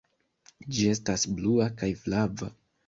Ĝi estas blua kaj flava.